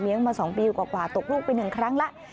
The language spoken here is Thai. มา๒ปีกว่าตกลูกไป๑ครั้งแล้ว